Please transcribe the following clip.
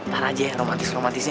para aja ya romantis romantisnya